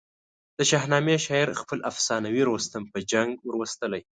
د شاهنامې شاعر خپل افسانوي رستم په جنګ وروستلی.